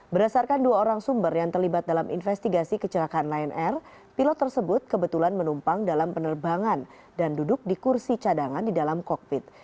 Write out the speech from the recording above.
berdasarkan dua orang sumber yang terlibat dalam investigasi kecelakaan lion air pilot tersebut kebetulan menumpang dalam penerbangan dan duduk di kursi cadangan di dalam kokpit